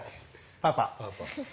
パパ！